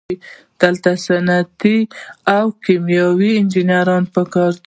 دلته صنعتي او کیمیاوي انجینران پکار دي.